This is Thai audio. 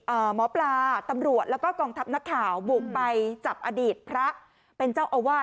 หมอปลาตำรวจแล้วก็กองทัพนักข่าวบุกไปจับอดีตพระเป็นเจ้าอาวาส